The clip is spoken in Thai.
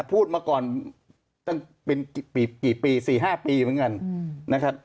พูดมาก่อนตั้งเป็น๔๕ปีเหมือนกัน